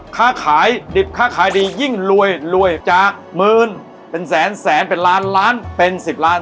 ค้าขายดิบค้าขายดียิ่งรวยรวยจากหมื่นเป็นแสนแสนเป็นล้านล้านเป็น๑๐ล้าน